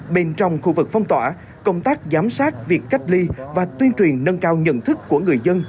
bên trong khu vực phong tỏa công tác giám sát việc cách ly và tuyên truyền nâng cao nhận thức của người dân